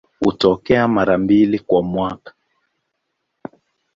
Hutokea mara mbili kwa mwaka.